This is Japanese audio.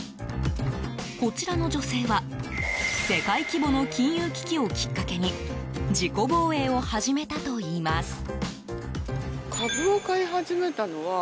こちらの女性は世界規模の金融危機をきっかけに自己防衛を始めたといいます。